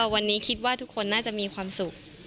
วันนี้คิดว่าทุกคนน่าจะมีความสุข